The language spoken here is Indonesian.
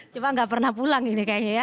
cuma nggak pernah pulang ini kayaknya ya